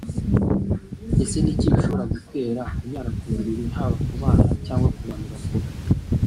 Ese ni ibiki bishobora gutera kunyara ku buriri haba ku bana cyangwa ku bantu bakuru